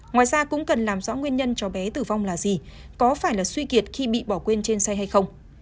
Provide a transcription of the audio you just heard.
ngoài ra cũng cần làm rõ nguyên nhân cháu bé tử vong là gì có phải là suy kiệt khi bị bỏ quên trên xe hay không